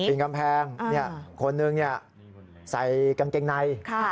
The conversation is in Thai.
กำแพงคนหนึ่งใส่กางเกงใน